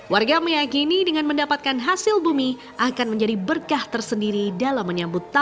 warga meyakini dengan mendapatkan hasil bumi akan menjadi berkah tersendiri dalam menyambut tanaman